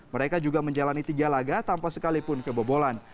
mereka juga menjalani tiga laga tanpa sekalipun kebobolan